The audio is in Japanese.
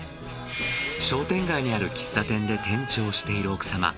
商店街にある喫茶店で店長をしている奥様。